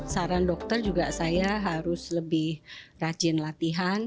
saran dokter juga saya harus lebih rajin latihan